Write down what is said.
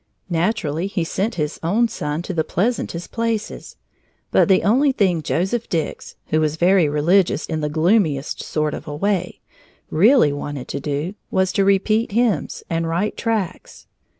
Naturally he sent his own son to the pleasantest places, but the only thing Joseph Dix, who was very religious in the gloomiest sort of a way, really wanted to do, was to repeat hymns and write tracts.